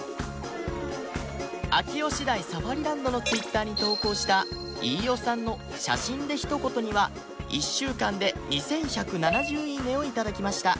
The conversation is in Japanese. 秋吉台サファリランドの Ｔｗｉｔｔｅｒ に投稿した飯尾さんの「写真で一言」には１週間で２１７０「いいね」を頂きました